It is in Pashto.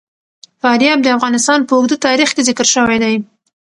فاریاب د افغانستان په اوږده تاریخ کې ذکر شوی دی.